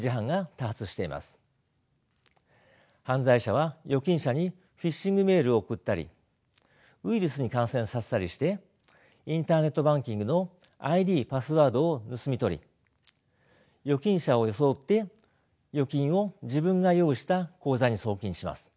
犯罪者は預金者にフィッシングメールを送ったりウイルスに感染させたりしてインターネットバンキングのＩＤパスワードを盗み取り預金者を装って預金を自分が用意した口座に送金します。